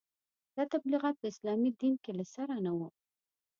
دا تبلیغات په اسلامي دین کې له سره نه وو.